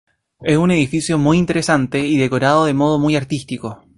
Es un edificio muy interesante y decorado de modo muy artístico.